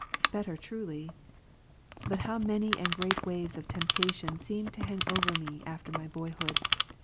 Better truly. But how many and great waves of temptation seemed to hang over me after my boyhood